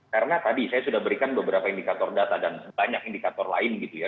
karena tadi saya sudah berikan beberapa indikator data dan banyak indikator lain gitu ya